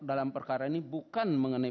dalam perkara ini bukan mengenai